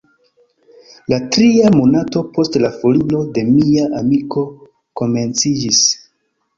La tria monato post la foriro de mia amiko komenciĝis.